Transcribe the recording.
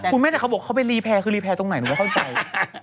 คุณแม่แต่เขาบอกเขาไปรีแพร่คือรีแพรตรงไหนหนูไม่เข้าใจ